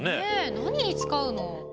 何に使うの？